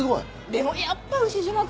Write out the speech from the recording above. でもやっぱ牛島くんよ。